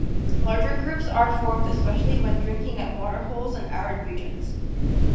Larger groups are formed especially when drinking at waterholes in arid regions.